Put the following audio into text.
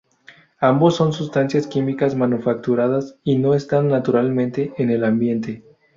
Ambos son sustancias químicas manufacturadas y no están naturalmente en el ambiente.